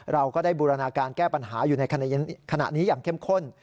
เราก็ได้บูรณาการแก้ปัญหาอยู่ในขณะนี้อย่างเข้มข้น